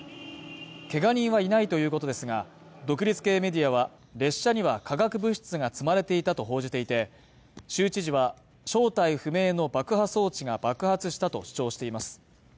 けが人はいないということですが、独立系メディアは列車には化学物質が積まれていたと報じていて、州知事は、正体不明の爆破装置が爆発したと主張しています。